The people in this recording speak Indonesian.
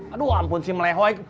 aduh ampun si melehoy